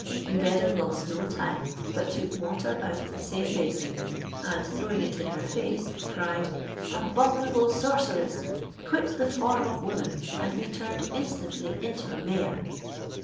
King Beder lost no time, but took water out of the same basin, and throwing it in her face, cried, "Abominable sorceress ! quit the form of woman, and be turned instantly into a mare."